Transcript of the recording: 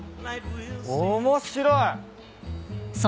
面白い。